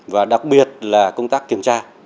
và đặc biệt là công tác kiểm tra